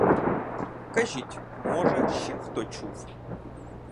Кажіть, може, ще хто чув?